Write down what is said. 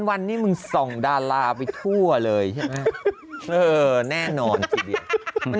วันนี่มึงส่องดาราไปทั่วเลยใช่ไหม